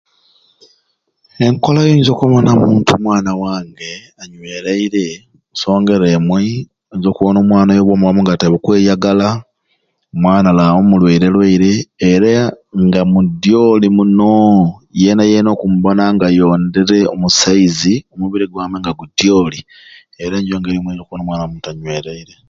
Enkola gyenyiza okubonamu nti omwana wange nti anywereire esonga eri emwei nyinza okubona omwana oyo nga obwomi bwamwei nga tebukweyagala omwana ali awo mulwaire lwaire era nga mudwoli muno yena yena okumubona oyondere omu size omubiri gwamwei nga gudyoli eyo nigyo ngeri gyoyinza okubonamu nti omwana wamu anywereire